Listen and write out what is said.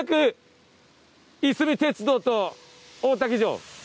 いすみ鉄道と大多喜城。